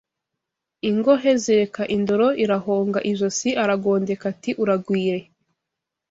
Ingohe zireka indoro irahonga Ijosi aragondeka ati “uragwire”